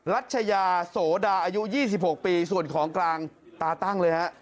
รัชยาโสดาอายุ๒๖ปีส่วนของกลางตาตั้งเลยฮะ